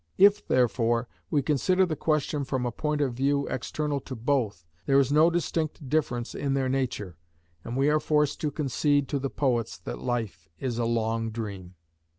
If, therefore, we consider the question from a point of view external to both, there is no distinct difference in their nature, and we are forced to concede to the poets that life is a long dream.